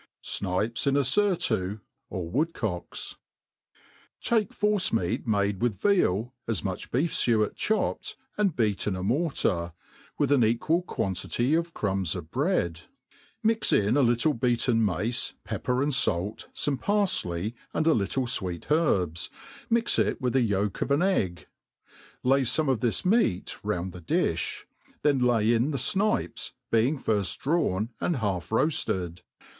Snipes in a &ourU>ut% or Woodcocks. ••• TAKE, force meat mide with veal, as ratich becWtidt chopped and beat in a morter, with an equal quantity of J crumbs MADE PLAIN AN© tASY. 99 trumbs of bread ; mix in a little beaten mace, pepper and falt^ foxnt pai; fley, and a little fweet herbs, mix it with the yolk of ^n egg : .lay fome of this meat round the dKJj, (hen lay in the ifnipes, being firft drawn and half roaded.